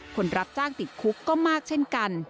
คนรับจ้างติดคุกก็มากเช่นกัน